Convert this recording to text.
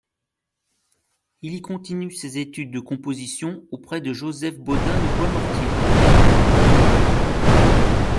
Il y continue ses études de composition auprès de Joseph Bodin de Boismortier.